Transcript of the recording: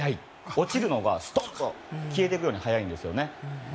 落ちるのがすとんと消えていくように速いんです。